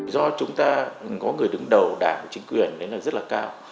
do chúng ta có người đứng đầu đảng chính quyền rất là cao